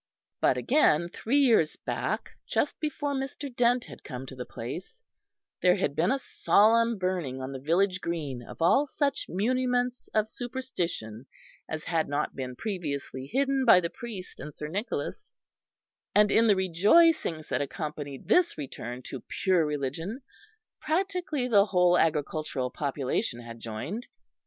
But again, three years back, just before Mr. Dent had come to the place, there had been a solemn burning on the village green of all such muniments of superstition as had not been previously hidden by the priest and Sir Nicholas; and in the rejoicings that accompanied this return to pure religion practically the whole agricultural population had joined.